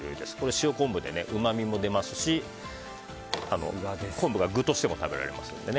塩昆布でうまみも出ますし昆布が具としても食べられますので。